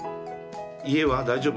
家は大丈夫？